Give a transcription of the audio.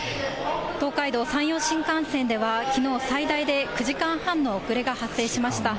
東海道・山陽新幹線では、きのう、最大で９時間半の遅れが発生しました。